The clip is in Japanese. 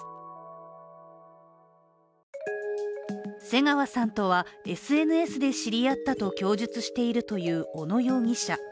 瀬川さんとは、ＳＮＳで知り合ったと供述しているという小野容疑者。